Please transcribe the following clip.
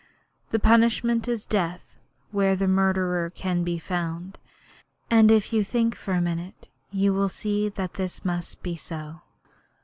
The punishment is death where the murderer can be found; and if you think for a minute you will see that this must be so.